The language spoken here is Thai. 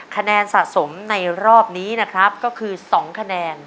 คะแนนสะสมในรอบนี้ก็คือ๒คะแนน